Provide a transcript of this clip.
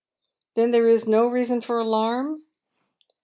" Then there is no reasoii for alarm